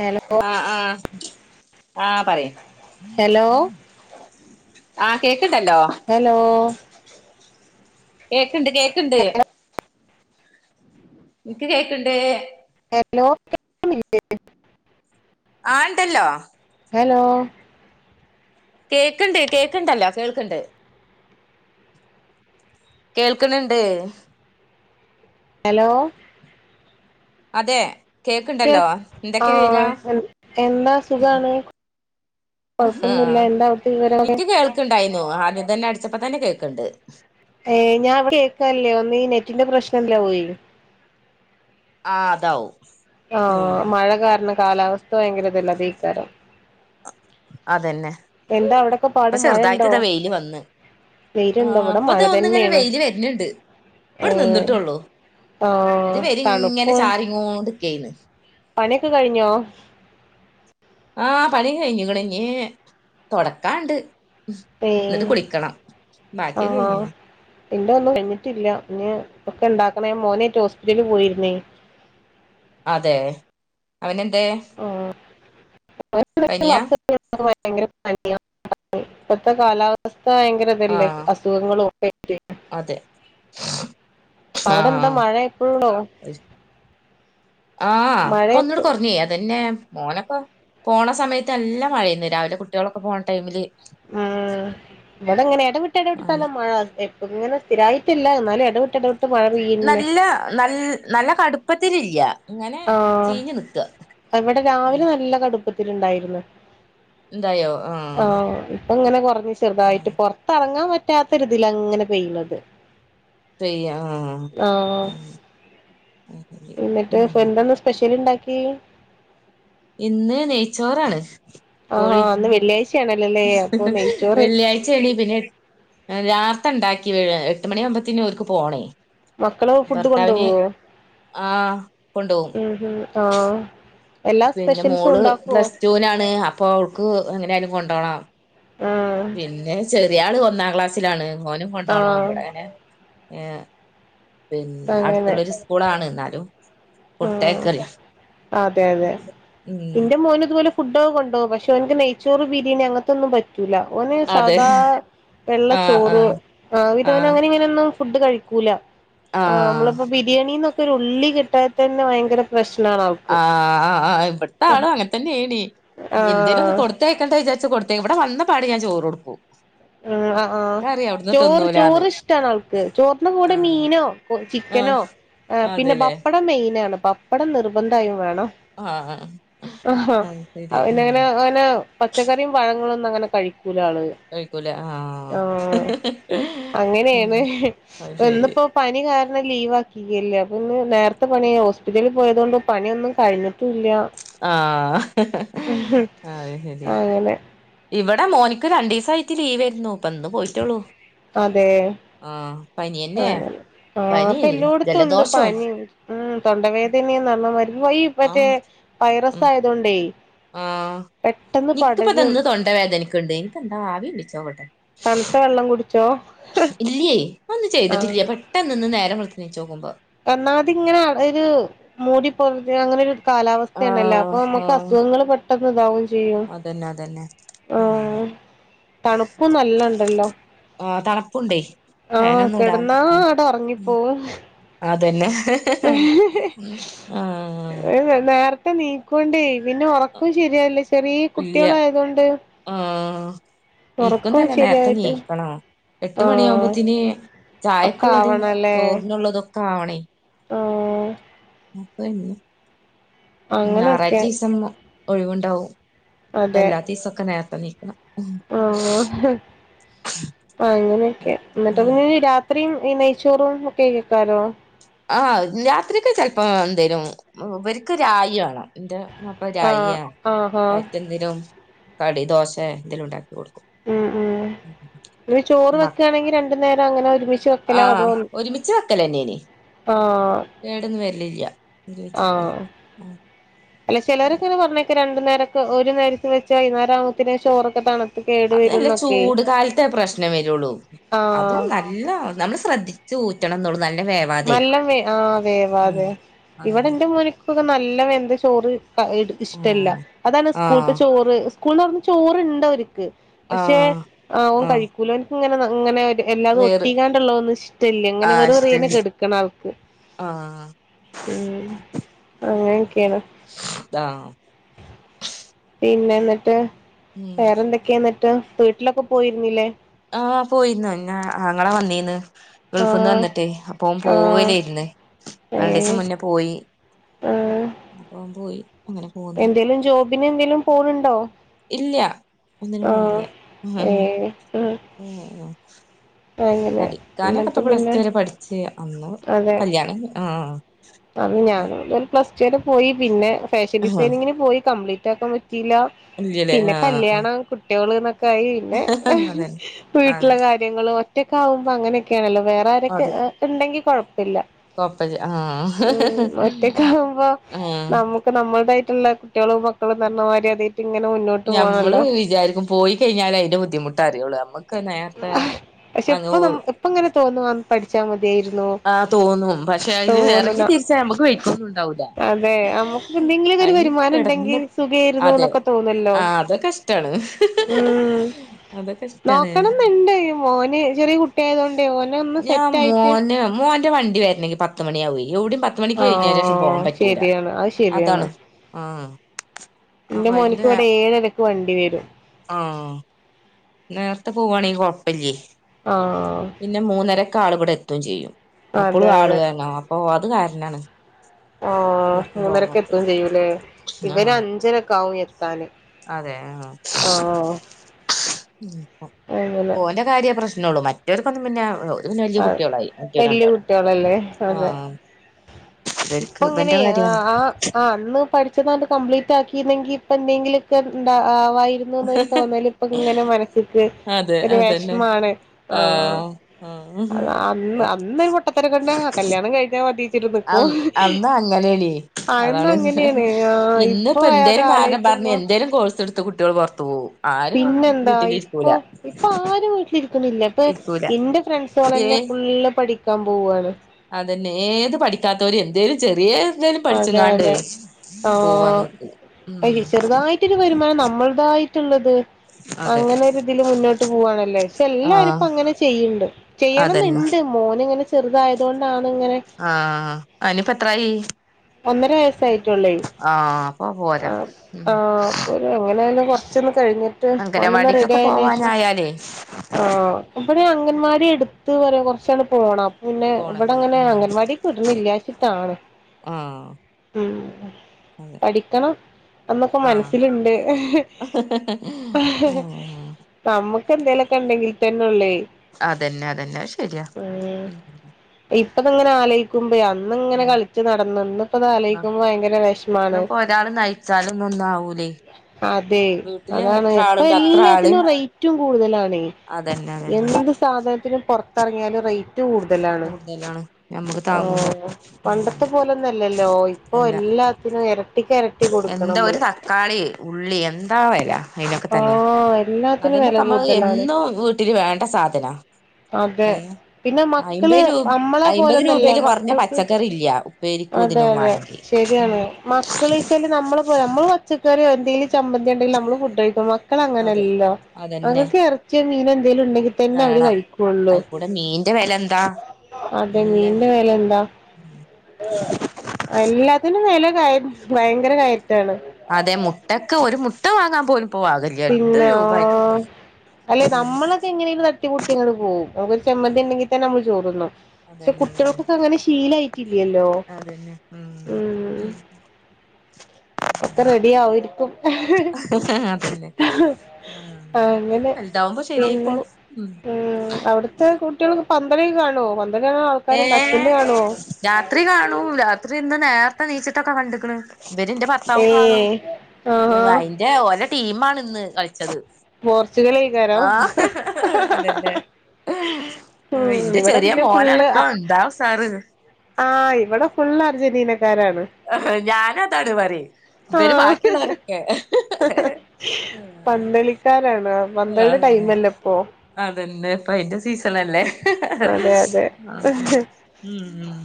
Hello ഓ ആ ആ പറയ്. ഹലോ ആ കേക്ക്‌ണ്ടല്ലോ. ഹലോ കേക്ക്‌ണ്ട് കേക്ക്‌ണ്ട്. ഇൻക്ക് കേക്ക്‌ണ്ട്. ഹലോ [inaudible] ആണ്ടല്ലോ. ഹലോ കേക്ക്‌ണ്ട് കേക്ക്‌ണ്ടല്ലോ കേൾക്ക്‌ണ്ട്. കേൾക്ക്‌ണ് ണ്ട്. ഹലോ അതെ കേൾ കേക്ക്‌ണ്ടല്ലോ ആ എന്തൊക്കെ വിരാ? എൻ- എന്താ സുഖാണ് അ ഹാ കൊഴപ്പൊന്നുമില്ല എന്താ അവിടുത്തെ വിവരമൊക്കെ നിക്ക് കേൾ ക്ക്‌ണ്ടായിന്നു ആദ്യം തന്നെ അടിച്ചപ്പോ തന്നെ കേക്ക്‌ണ്ട്. [unintelligible] ആ അതാവും. ആ ഉം മഴ കാരണം കാലാവസ്ഥ ഭയങ്കരതല്ലെ തെയ്ക്കാരം. അതന്നെ എന്താ അവിടൊക്കെ പ്പ പാട് മഴ ഉണ്ടോ ചെറുതായിട്ട്താ വെയില് വന്ന്. ആ വെയിലുണ്ടോ ഇവിടെ പ്പ മഴ തെ ഒന്ന് ങ്ങനെ തന്നെയാണ് വെയില് വര്ന്ണ്ട്. ഏ പ്പട് നിന്നിട്ടള്ളൂ ആ ത് വരിങ്ങനെ തണുപ്പും ചാറിങ്ങോണ്ട് ക്കെയ്നു. പണിയൊക്കെ കഴിഞ്ഞോ? ആ പണിക്കെ കഴിഞ്ഞക്ക്‌ണ് ഞ്ഞി തുടക്കാണ്ട്. ഏ ന്നിട്ട് കുളിക്കണം ബാക്കിയ് കഴ്ഞ്. ന്റെ ഒന്നും കഴിഞ്ഞിട്ടില്ല ഞ്ഞി ഒക്കെ ണ്ടാക്കണം ഞാൻ മോനേറ്റ് ഹോസ്പിറ്റലിൽ പോയിരുന്നേയ്. അതെ അവനെന്തേ? ആഹ് [unintelligible] [unintelligible] പനിയാ ഇപ്പത്തെ കാലാവസ്ഥ ഭയങ്കര തല്ലേ ആഹ് അസുഖങ്ങളും ഒക്കെയ്റ്റ്. അതെ അവിടെ എന്താ മഴ എപ്പോഴള്ളോ. ആ മഴ പ്പ എപ്പ ഒന്നൂടെ കൊറഞ് അതന്നെ. മോനൊക്കെ പോണ സമയത്ത് ല്ല മഴയന്ന് രാവിലെ കുട്ടികളൊക്കെ പോണ ടൈമില്. ആ വിടെങ്ങനെ എടവിട്ട് എടവിട്ടട്ടല്ലെ മഴ. അങ്ങനെ സ്ഥിരായിട്ടില്ല എന്നാലും എടവിട്ട് എടവിട്ട്. നല്ല നൽ നല്ല കടുപ്പത്തിലില്യ. ആ ഇവിടെ ആഹ് രാവിലെ നല്ല കടുപ്പത്തിലു ണ്ടായിരുന്നു. എന്തായോ ആ ആഹ് ഇപ്പൊ ഇങ്ങനെ കുറഞ്ഞ് ആഹ് ചെറുതായിട്ട്പ്പൊ ത്തെറങ്ങാൻ പറ്റാത്തരിതിലങ്ങനെ പെയ്യണത്. പെയ്യ ആ ആഹ് ആ ന്താന്ന് സ്പെഷ്യല്ണ്ടാക്കി? ഇന്ന് നെയ്ച്ചോറാണ്. ആ ന്ന് വെള്ളിയാഴ്ച ഹ്. ഹ് വെള്ളിയാഴ്ചയാണീ [unintelligible] അഹ് രാസ്ത ണ്ടാക്കി വെ. എട്ട് മണിയാവുമ്പത്തിന് ഓൽക്ക് പോണേ. മക്കളൊക്കെ ഫുഡ് ഭർത്താവിന് കൊണ്ടോവോ? ആഹ് കൊണ്ടോവും ഉം ഉം ആഹ് എല്ലാ സ്പെഷ്യൽസും ഉണ്ടാക്കോ? ജൂനാണ് അപ്പ അവൾക്ക് എങ്ങനായാലും കൊണ്ടോണം. ആഹ് പിന്നെ ചെർ തിയാള് ഒന്നാം ക്ലാസ്സിലാണ് ഓനും കൊണ്ടോണം ആഹ് ബടെ. ഏഹ് പിന്നെ അങ്ങനെ അടുത്തുള്ളരു സ്കൂളാണ് ന്നാലും ആഹ്. അതെ അതെ. ഉം ഇന്റെ മോന് ഇതുപോലെ ഫുഡൊക്കെ കൊണ്ടോവും. പക്ഷേ ഓൻക്ക് നെയ്ച്ചോറ് ബിരിണി അങ്ങനത്തൊന്നും പ റ്റൂല്ല. ഓന് അതെ സാദാ ആഹ് വെള്ളച്ചോറ് ആഹ് ആഹ് പിന്നോന് അങ്ങനിം ഇങ്ങന്യൊന്നും ഫുഡ് കഴിക്കൂല. ആഹ് നമ്മളിപ്പോ ബിരിയാണിന്നൊക്കെ ഒര് ഉള്ളി കിട്ടാൻ തന്നെ ഭയങ്കര പ്രശ്നാണ് അവ ആഹ്. ഇവട്ത്താളും അങ്ങൻത്തന്നേനി. എന്തേലും ഒന്ന് ആഹ് കൊട് ത്തയ്ക്കട്ടേ വിചാരിച്ച് കൊടുത്തയ്ക്കും. ഇവടെ വന്ന പാട് ഞാൻ ചോറൊടുക്കും. ആഹ് അഹ് ആഹ്. ചോറ്, ചോറ് ഇഷ്ടാണ് ആൾക്ക്. ചോറിന്റെ കൂടെ മീനോ കൊ ചിക്കനോ ആഹ് ഏഹ് പിന്നെ അതെല്ലേ ബപ്പടം മെയിനാണ്. ബ പ്പടം നിർബന്ധായും വേണം. ആഹ് ആഹ് അഹാ ശരി അത് ഉം പിന്നങ്ങനെ ഓന് പച്ചക്കറിം പഴങ്ങളൊന്നും അങ്ങനെ കഴിക്കൂല ആള്. കഴിക്കൂല. ആഹ് ആ ആഹ്. ഉം അങ്ങനേണ്. അത് ശരി ഇന്നിപ്പോ പനി കാരണം ലീവാക്കി ഇയ്യല്ലെ അപ്പ ന്ന് നേര്ത്തെ പണി ഹോസ്പിറ്റലിൽ പോയതോണ്ട് പണിയൊന്നും കഴിഞ്ഞിട്ടു ലാ. ആഹ്. അഹ് ശരി അങ്ങനെ ഇവടെ മോൻ ക്ക് രണ്ടീസായിട്ട് ലീവേര്ന്നു. ഇപ്പം ന്ന് പോയിറ്റൊള്ളൂ. അതേ [unintelligible] പനിയന്നെ ആഹ്. പനി ഇപ്പെല്ലോട്ത്തൂണ്ട് ജലദോഷവും പനിം ഉം തൊണ്ട വേദനിം ന്ന് പർണമായിര്ക്ക് ഒയി വറ്റേ ആഹ് വൈറസ് ഉം ആയതൊണ്ടേ പെട്ടെന്ന് പടരും. ണ്ട വേദനക്ക്ണ്ട്. ഇൻക്കെന്താ ആവി വിളിച്ചോക്കട്ടെ. തൺത്ത വെള്ളം കുട്ച്ചോ? ഇല്ല്യേ. അ ഒന്നും ചെയ്തിട്ടില്ല്യാ. പെട്ടെന്ന് ന്ന് നേരം വെൾത്ത് നീച്ചോക്കുമ്പം. ഒന്നാമതിങ്ങനെ അ ഒര് മൂടി പൊതിഞ്ഞ് അങ്ങനൊരു കാലാവസ്ഥേണല്ലോ. ആഹ് അപ്പൊ മ്മക്ക് ആഹ് അസുഖങ്ങള് പെട്ടെന്ന് ഇതാവും ചെയ്യും. അതന്നെ അതന്നെ ഉം ആഹ് തണുപ്പും നല്ലണ്ടല്ലോ. ആഹ് തണുപ്പുണ്ടേ ആഹ് ഫാനൊന്നും ഇടാൻ കെടന്നാ പറ്റുന്നില്ല ങ്ങട് ഒർങ്ങിപ്പോവും. അതന്നെ ആഹ് നേർ ത്തെ നീക്കോണ്ടേ പിന്നെ ഒറക്കും ശരിയായില്ല, ചെറിയ ഇല്ല്യ കുട്ടിയേളായതോണ്ട്. ആഹ് ഇൻക്കും തന്നെ നേരത്തെ ശരിയായിട്ട് നീക്കണം. എട്ട് ആഹ് മണിയാവുമ്പോത്തിന് ഒക്കെ ചായക്ക്ള്ളതും ചോറ്ന്ള്ളതും ഒക്കാവണേ. അഏഹ്. ആഹ് പ എന്നും അങ്ങനൊക്കെ ഞായറാഴ്ച ഈസം ഒഴിവ്ണ്ടാവും. അതെ അല്ലാത്തീസൊക്കെ നേരത്തെ നീ ആഹ്. അപ്പ അങ്ങനൊക്കെ. ഇന്നട്ട് പിൻ ഈ രാ ത്രിം ഈ നെയ്ച്ചോറും ഒക്കെ യ്ക്കാരോ. ആഹ് രാത്രിക്ക് ചെൽപ്പോ എന്തേലും ഇവർക്ക് രായി വാണം. ഇന്റെ വാപ്പ ആഹ് രായിയാ ആഹ് ആഹ് അയറ്റെന്തേലും കടി ദോശേ എത്തേലും ണ്ടാക്കി കൊടുക്കും. ഉം ഉം ന്ന് ചോറ് മ വെക്കാണെങ്കി രണ്ട് നേരം അങ്ങനെ ഒരുമിച്ച് വെ ആഹ് ഒരുമിച്ച് വെക്കലെന്നെനി. ആഹ് കേടൊന്നും വരിലില്ല. ഒന്നീച്ചക്കലാ ആഹ് അല്ല ചെലരൊക്കെങ്ങനെ പറഞ്ഞേക്കാ രണ്ടു നേരൊക്കെ ഒരു നേരൊക്കെ വെച്ചാ വൈന്നേരാവുമ്പോത്തിന് ചോറൊക്കെ തണു അത് നല്ല ചൂട് കാലത്തെ പ്രശ്നം വരൊള്ളു. അതും ആഹ് ന അല്ല നമ്മള് ശ്രദ്ധിച്ചു ഊറ്റണംന്നുള്ളു നല്ല വേവാതെ നല്ല വേ ആ വേവാതെ ആഹ് ഇവിടെ അങ്ങനെ എന്റെ മോനിക്ക് ഒക്കെ നല്ല വെന്തചോറ് ഇഷ്ടല്ല ആഹ് അതാണ് സ്കൂളിൽതെ ആഹ് ചോറ് സ്കൂൾന്റെ അവിടുന്ന് ചോറണ്ട് അവർക്ക് പക്ഷെ ആഹ് ഓൻ ആഹ് കഴിക്കൂല അവനിക്ക് ഇങ്ങനെ ഇങ്ങനെ എല്ലാതും വേറ് ഒട്ടിക്കാണ്ടള്ളോന്നും ഇഷ്ടല്ലേ അങ്ങനെ ആഹ് വെറു ഇഷ്ട വെറുനെ കെടുക്കണ ആൾക്ക് ആഹ് ഉം അങ്ങനെയൊക്കെയാണ് ആഹ് പിന്നെ എന്നിട്ട് ഉം വേറെന്തൊക്കെയാ എന്നിട്ട് വീട്ടിലൊക്കെ പോയിരുന്നില്ലേ ആഹ് പോയിരുന്നു ഇന്നാ അങ്ങളെ വന്നീന്ന് ആ ഗൾഫ്ന്ന് വന്നിട്ട് അപ്പ ഓൻ ആ പോവലായിരിന്ന് ഏ രണ്ടിസം മുന്നേ പോയി ആ അപ്പം പോയി അങ്ങനെ പോന്ന് എന്തേലും ജോബിന് എന്തേലും പോണണ്ടോ ഇല്ല ഒന്നിനും പോണില്ല ഉം ഏഹ് ഉം ഉം അങ്ങനെ പഠിക്കാനൊക്കെപ്പ എന്നിട്ട് പ്ലസ് പിന്നെ ടു വരെ പഠിച്ച അന്ന് കല്യാണം ആ അന്ന് ഞാൻ ഒരു പ്ലസ് ടു വരെ പോയി പിന്നെ ഫാഷൻ ആഹ് ഡിസൈനിങ്ങിന് പോയി കംപ്ലീറ്റ് ആക്കാൻ പറ്റിയില്ല ഇല്ലല്ലേ പിന്നെ ആഹ് കല്യാണം ആഹ് കുട്ടി കളൊക്കെ ആയി പിന്നെ അതന്നെ വീട്ടിലുള്ള അങ്ങനെ കാര്യങ്ങൾ ഒറ്റക്കെ ആകുമ്പോ അങ്ങനെയൊക്കെയാണല്ലോ വേ റേ ആരൊക്കെ ഉണ്ടെങ്കി കുഴപ്പില്ല കൊഴപ്പില്ല ആ ഉം ഒറ്റേക്കാവുമ്പോ ആഹ് നമുക്ക് നമ്മളുടെയിട്ടുള്ള കുട്ടികളും മക്കളും തരണമാര് അതായിട്ട് ഇങ്ങനെ മുന്നോട്ട് ഞമ്മള് പോകാണമല്ലോ വിചാരിക്കും പോയി കഴിഞ്ഞാല അതിന്റെ ബുദ്ധിമുട്ട് അറിയുള്ളു നമുക്ക് നേരത്തെ അങ്ങ് അപ്പ അങ്ങനെ തോന്നവാണ് പഠിച്ചാൽ മതിയായിരുന്നു ആഹ് തോന്നും പക്ഷെ അതിന് ഇറങ്ങി തോന്നുന്ന തീരിച്ചാ നമുക്ക് വഴിക്കൊന്നും ഉണ്ടാവൂല്ല അതെ നമുക്ക് എന്തെങ്കിലുമക്കൊ ഒരു വരുമാനം കെടന്ന് ഉണ്ടെങ്കിൽ സുഖായിരുന്നു എന്നൊക്കെ തോന്നല്ലോ റ്റാണ് ഉം അതൊക്കെ ഇഷ്ടാണ് നോക്കണംന്നുണ്ട് ഓന് ചെറിയ കുട്ടിയ ആയതൊണ്ട് ഓന ഒന്ന് ഞാൻ സെറ്റ് ആയിട്ട് മോന് മോന്റെ വണ്ടി വരുണെങ്കി പത്ത് മണിയാവൂ എവിടയും പത്ത് പത്ത് മണിക്ക് കഴിഞ്ഞന് ശേഷം പോവാൻ ആഹ് പറ്റൂല ശരിയാണ് അത് ശരിയാണ് അതാണ് ആ എന്റെ മോനക്ക് ഇവിടെ ഏഴരക്ക് വണ്ടി വരും ആഹ് നേരത്തെ പോവാണങ്കി കൊഴപ്പില്ലേ ആഹ് പിന്നെ മൂന്നരക്കെ ആൾ ഇവിടെ എത്തയും ചെയ്യും അതെ അപ്പളും ആൾ അതെ വേണം അപ്പൊ അത് കാരണാണ് ആ എവിട്ക്കും മൂന്നരക്ക് പോവാത്തത് എത്തോം ചെയ്യൂലേ ഇവന് ആഹ് അഞ്ചരക്കെ ആവും എത്താന് ആ ആഹ് ഉം അങ്ങനെ ഓന്റെ കാര്യേ പ്രശ്നമേള്ളൂ മറ്റവർക്കൊന്നും പിന്നെ പിന്നെ വല്യ ആ കുട്ടികളായി മറ്റോര് വല്യ രണ്ടാളും കുട്ടികളല്ലേ അതെ ആഹ് ഇവർക്ക് ഇപ്പൊ ഇങ്ങനെ ഇവന്റെ ആ കാര്യാണ് ആ ആ അന്ന് പഠിച്ചതങ്ങട്ട് കംപ്ലീറ്റ് ആക്കിന്നെങ്കി ഇപ്പൊ എന്തെങ്കിലുംക്കൊന്താ ആവാരുന്നു ന്ന് ന്നൊരു തോന്നല് ഇപ്പ ഇങ്ങനെ മനസ്സിക്ക് അതെ ഒരു അതന്നെ വെഷമാണ് ആ ആഹ് അ ആഹ് അന്ന് അന്നരു പൊട്ടത്തരകൊണ്ടാ കല്യാണം കഴഞ്ഞാൽ മതിച്ചിട്ട് നി അ അന്ന് അങ്ങനാണെ അന്ന് അതാണ് അങ്ങനെയാണ് ആ ഇന്നിപ്പ ഇപ്പൊ അത് എന്തേലും കാരണം പറഞ്ഞു ആലോചിക്കുമ്പോ എന്തേ ലും കോഴ്സ്ടുത്ത് കുട്ടികൾ പൊറത്ത് പോകും ആരും പിന്നെന്താ ഇപ്പൊ വീട്ടിലിരിക്കൂല ഇപ്പൊ ആരും വീട്ടിലിരിക്കണില്ല ഇപ്പ ഇരിക്കൂല എന്റെ ഏ ഫ്രണ്ട്സ്കളന്നെ ഫുള്ള് പഠിക്കാൻ പോവാണ് അതന്നെ ഏത് പഠിക്കാത്തവര് എന്തേലും ചെറിയ എന്തായാലും അതെ പഠിച്ചുങ്ങണ്ടേ അതെ പോവാ നോക്കൂ ഉം ഇത്തിരി വരുമാനം നമ്മളതായിട്ടുള്ളത് അതെ അങ്ങനെരിതില് മുന്നോട്ട് പോവവാണല്ലേ പക്ഷെ ആഹ് എല്ലാരുപ്പം അങ്ങനെ ചെയ്യൂണ്ട്. അതന്നെ ചെയ്യണംന്നുണ്ട് മോന് ഇങ്ങനെ ചെറുതായതുകൊണ്ടാണ് ഇങ്ങനെ ആഹ് അയിനിപ്പെത്രായി ഒന്നര വയസ്സായിട്ടുള്ളേ ആഹ് അപ്പൊ പോരാ ആഹ് ഉം ആഹ് അപ്പ ഒരു എങ്ങനെ ആയാലും കുറച്ചൊന്ന് കഴിഞ്ഞി ട്ട്, ഓനൊന്നു റെഡി അങ്കനവാടിക്കൊക്കെ ആയനേഷം പോവാനായാലേ ആഹ് അപ്പൊഴേ അങ്കൻവാടി അടുത്ത് കുറച്ചട് പോണം പിന്നെ ഇവിടെ പോണത് അങ്ങനെ ഉം അംഗൻവാടി ക്ട്ട്ണ്‌ല്ലാച്ചിട്ടാണ്.. ആഹ് ഉം അതെ പഠിക്കണം. എന്നന്നൊക്കെ ആഹ് മനസ്സിലുണ്ട്. ആഹ് നമ്മുക്ക് എന്തേലൊക്കെ ഉണ്ടെങ്കിൽ തന്നെ ഉള്ളേ അതന്നെ അതന്നെ അത്ശരിയാ ഉം ഇപ്പതങ്ങനെ ആലോയിക്കുമ്പോഴേ അന്നിങ്ങനെ ഉം കളിച്ച് നട ന്ന് ഇന്നിപ്പോ അതാലോയിക്കുമ്പോ ഭയങ്കര വെഷമാണ്. ഇന്നിപ്പോ ഒരാള് നയിച്ചാലൊന്നും ഒന്നും ആവൂലേ അതെ വീട്ടില് അതാണ് എത്ര ഇപ്പൊ ആളുണ്ട് അത്ര എല്ലാത്തിനും ആളെയും റൈ റ്റും കൂടുതലാണേ. അതന്നെ അതന്നെ എന്ത് സാധനത്തിനും പുറത്തിറങ്ങിയാലും റേയ് റ്റു കൂടുതലാണ് കൂടുതലാണ് ഞമ്മക്ക് താങ്ങൂല ഓഹ് ഉം പണ്ടത് ത്തെ പോലന്നല്ലല്ലോ ഇപ്പൊ അല്ല എല്ലാത്തിനും ഇരട്ടിക്ക് ഇരട്ടി കൊടുക്കണമ്മള്. ക്കാളി ഉള്ളി എന്താ വെലാ അയിനൊക്കെ തന്നെ ആഹ് എല്ലാത്തിനും വെല അതിന്റെപ്പമ്മ കൂടുതലാണ് എന്നും വീട്ടിൽ വേണ്ട സാധനാ അതെ ഏ പിന്നെ മക്കള് അയ്മ്പത് രൂപ അമ്മളെ അയ്മ്പത് പോലെന്നല്ല രൂപയില് കുറഞ്ഞ മക്കൾക്ക് പച്ചക്കറി ഇല്ല ഉപ്പേരിക്കും അതെ ഇതിനും അതെ.. വാണെങ്കി ഉം ശരിയാണ് മക്കള് ള് നമ്മള നമ്മൾ പച്ചക്കറിയോന്തങ്കിലും ചമ്പന്തി ഉണ്ടെങ്കിൽ നമ്മള് ഫുഡഴിക്കും. മക് അതെ മക്കളങ്ങനല്ലല്ലോ അതന്നെ അങ്ങക്ക് ഇറച്ചിയോ മീനോ എന്തേലും ഉണ്ടെങ്കി വേണം അതിക്കൂടെ മീന്റെ വില എന്താ? അതെ നല്ല മീന്റെ വെലെ വെല എന്താ എല്ലാത്തിനും വില ക ഭയങ്കര കയറ്റാണ് അതെ മുട്ടക്ക് ഒരു മുട്ട വാങ്ങാൻ പോലും പ്പോ വാക പിന്നോ, അല്ലെ ഉം നമ്മളൊക്കെ എങ്ങനെലും തട്ടിമുട്ടി അങ്ങട് പോകും നമുക്കൊരു ചമ്മന്തി അതെ ഉണ്ടെങ്കിൽ തന്നെ നമ്മൾ ചോറ്ന്നും. പക്ഷെ അതന്നെ അതന്നെ കുട്ടികൾക്കൊക്കെ അങ്ങനെ ശീലയിട്ടില്ലല്ലോ. അതന്നെ ഉം ഉം ഒക്കെ റെഡി ആവു ആയിരിക്കും. അതന്നെ ആഹ് അങ്ങനെ വലുതാവുമ്പോ പിന്നെ ശരിയായിക്കോളും ഉം ആഹ് അവിടെ ത്തെ കുട്ടികൾക്ക് പന്തളേയ് കാണോ [unintelligible] ഏഹ് രാത്രി കാണൂ രാ ഇവര് ഇന്ന് നേരത്തെണീച്ചിട്ടൊക്കെ കണ്ട്ക്ക്ണ്. ഇവരിന്റെ ഭർത്താവും ഏയ് കാണും. ആഹാ വൈ ക്യാ ഓരെ ടീമാണ് ഇന്ന് കളിച്ചത്. പോർച്ചുഗലേക്കാരോ ആഹ് അതന്നെ ആഹ് ഉം ഇന്റെ ഇവിടെ ചെറിയ പിന്നെ ഫുള്ള് മോനടക്കം എന്താ ഉസാറ്. ആഹ് ഇവിടെ ഫുള്ള് അർജന്റീനക്കാരാണ്. ഞാന അതാണ് പറയ് ഇവര് ആഹ് ബാക്കിയുള്ളവരൊക്കെ ആഹ് രാണ് പന്തളിടെ ടൈമല്ലേ ഇപ്പോ അതന്നെ ഇപ്പ അയിന്റെ സീസൺ അല്ലേ അതെ അതെ ഉം ഉം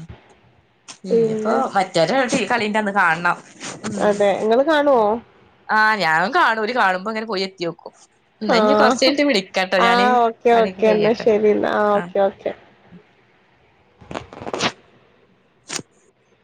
ഇഞ്ഞിപ്പോ പിന്നെ മറ്റരു ടീ കളിന്റന്ന് കാണണം. ഉഉം അതെ ഇങ്ങള് കാണുവോ ആഹ് ഞാനും കാണും ഓര് കാണുമ്പോ ഇങ്ങനെ പോയി എത്തിയോക്കും. ഇന്നാ ഇഞ്ഞി ആഹ് കൊറച്ചഴിഞ്ഞിട്ട് വിളിക്കട്ടോ ഞാന്. ആഹ് ഓക്കെ പണിയൊക്കെ ഓക്കെ എന്നാ കഴിയട്ടെ. ശരി എന്നാ ആഹ് ഓക്കെ ഓക്കെ [inaudible]